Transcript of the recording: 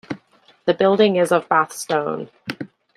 The building is of Bath Stone.